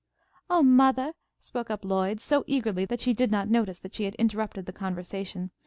"Oh, mothah," spoke up Lloyd, so eagerly that she did not notice that she had interrupted the conversation.